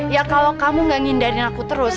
ya kalau kamu gak ngindarin aku terus